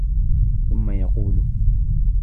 ثُمَّ يَقُولُ